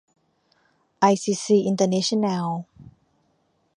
ไอ ซี ซี อินเตอร์เนชั่นแนล